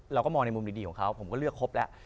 เราก็มองในมุมดีของเขาผมก็เลือกครบแล้ว